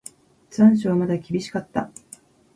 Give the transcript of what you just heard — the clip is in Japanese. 残暑はまだ厳しかった。